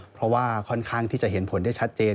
เพราะว่าค่อนข้างที่จะเห็นผลได้ชัดเจน